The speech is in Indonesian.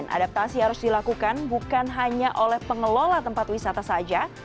adaptasi harus dilakukan bukan hanya oleh pengelola tempat wisata saja